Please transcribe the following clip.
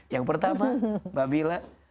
yang pertama mbak mila